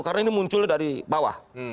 karena ini munculnya dari bawah